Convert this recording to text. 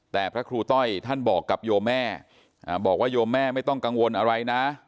แต่พระครูต้อยท่านบอกกับโยแม่บอกว่าโยมแม่ไม่ต้องกังวลอะไรนะ